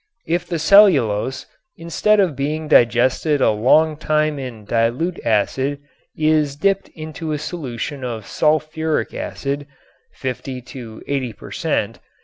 If the cellulose, instead of being digested a long time in dilute acid, is dipped into a solution of sulfuric acid (50 to 80 per cent.)